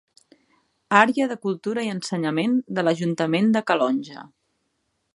Àrea de Cultura i Ensenyament de l'Ajuntament de Calonge.